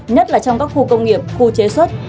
nhất là trong các khu công nghiệp khu chế xuất